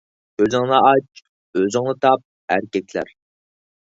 كۆزۈڭنى ئاچ، ئۆزۈڭنى تاپ ئەركەكلەر